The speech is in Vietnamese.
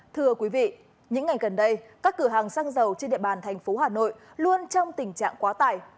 thưa quý vị những ngày gần đây các cửa hàng xăng dầu trên địa bàn thành phố hà nội luôn trong tình trạng quá tải